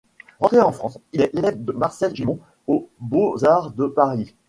Rentré en France, il est l'élève de Marcel Gimond aux Beaux Arts de Paris.